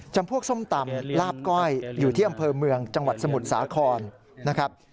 พวกส้มตำลาบก้อยอยู่ที่อำเภอเมืองจังหวัดสมุทรสาครนะครับ